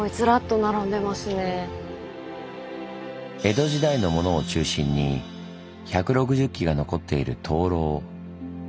江戸時代のものを中心に１６０基が残っている灯籠。